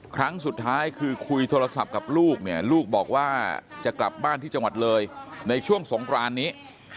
ครั้งสุดท้ายคือคุยโทรศัพท์กับลูกเนี่ยลูกบอกว่าจะกลับบ้านที่จังหวัดเลยในช่วงสงครานนี้